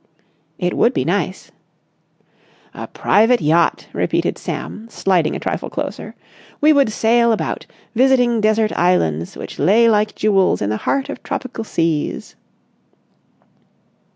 "It would be nice." "A private yacht," repeated Sam, sliding a trifle closer. "We would sail about, visiting desert islands which lay like jewels in the heart of tropic seas."